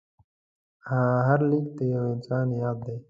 هر لیک د یو انسان یاد دی.